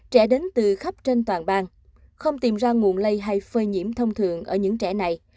trẻ đến từ khắp trên toàn bang không tìm ra nguồn lây hay phơi nhiễm thông thường ở những trẻ này